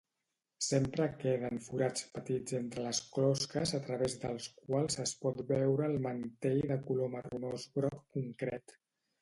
Sempre queden forats petits entre les closques a través dels quals es pot veure el mantell de color marronós-groc contret.